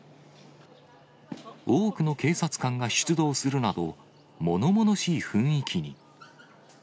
多くの警察官が出動するなど、ものものしい雰囲気に。